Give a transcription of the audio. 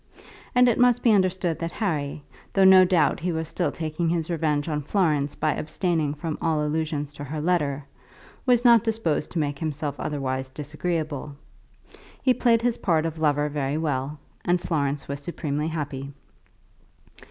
And it must be understood that Harry, though no doubt he was still taking his revenge on Florence by abstaining from all allusion to her letter, was not disposed to make himself otherwise disagreeable. He played his part of lover very well, and Florence was supremely happy.